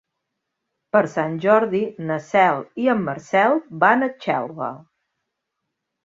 Per Sant Jordi na Cel i en Marcel van a Xelva.